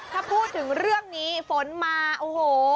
ถ้าพูดถึงเรื่องนี้ฝนมาโอ้โห